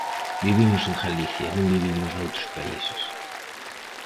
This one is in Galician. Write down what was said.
Vivimos en Galicia, non vivimos noutros países.